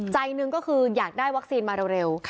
ใจหนึ่งก็คืออยากได้วัคซีนมาเร็ว